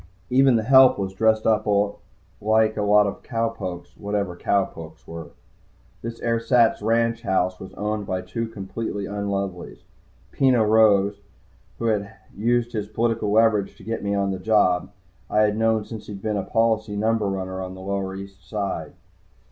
Even the help was dressed up like a lot of cow pokes, whatever cow pokes were. This ersatz ranch house was owned by two completely unlovelies. Peno Rose, who had used his political leverage to get me on the job, I had known since he'd been a policy number runner on the lower East Side.